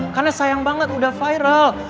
karena sayang banget udah viral